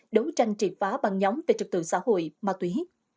đấu tranh trị phá băng nhóm về trực tự xã hội mà tuy hết